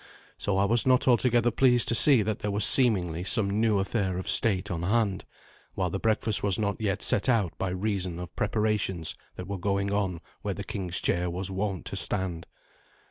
So I was not altogether pleased to see that there was seemingly some new affair of state on hand, while the breakfast was not yet set out by reason of preparations that were going on where the king's chair was wont to stand.